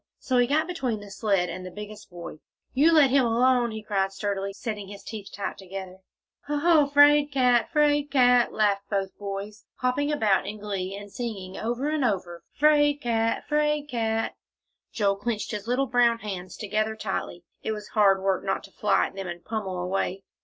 So he got between the sled and the biggest boy. "You let him alone!" he cried sturdily, setting his teeth tight together. "Hoh hoh 'fraid cat 'fraid cat!" laughed both boys, hopping about in glee, and singing over and over, '"Fraid cat 'fraid cat!" Joel clenched his little brown hands together tightly. It was hard work not to fly at them and pommel away.